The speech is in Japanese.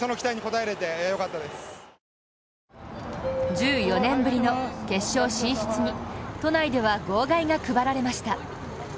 １４年ぶりの決勝進出に都内では号外が配られました。